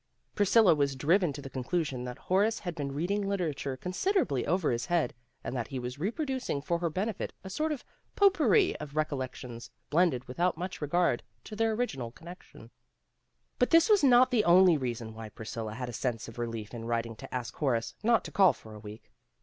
Priscilla was driven to the conclusion that Horace had been reading literature consider ably over his head, and that he was reproducing for her benefit a sort of pot pourri of recollec tions, blended without much regard to their original connection. 116 PEGGY RAYMOND'S WAY But this was not the only reason why Pris cilla had a sense of relief in writing to ask Horace not to call for a week.